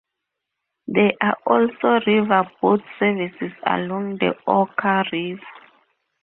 There are also river boat services along the Oka River.